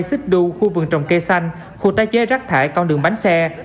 xích đu khu vườn trồng cây xanh khu tái chế rác thải con đường bánh xe